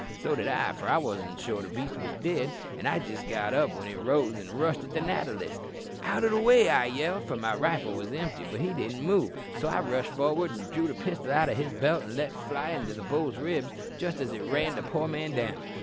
So did I, for I wasn't sure the beast was dead, an' I had jist got up when it rose an' rushed at the natter list. "'Out o' the way,' I yelled, for my rifle was empty; but he didn't move, so I rushed for'ard an' drew the pistol out o' his belt and let fly in the bull's ribs jist as it ran the poor man down.